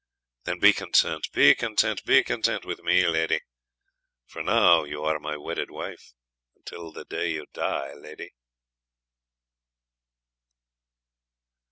Then be content, be content. Be content with me, lady; For now you are my wedded wife, Until the day you die, lady.